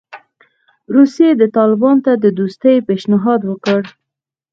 روسیې طالبانو ته د دوستۍ پېشنهاد وکړ.